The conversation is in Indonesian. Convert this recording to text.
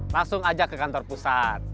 langsung aja ke kantor pusat